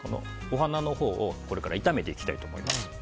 お花のほうを、これから炒めていきたいと思います。